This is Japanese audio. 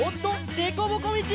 でこぼこみち！